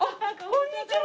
こんにちは。